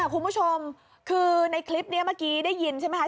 คุณผู้ชมคือในคลิปนี้เมื่อกี้ได้ยินใช่ไหมคะ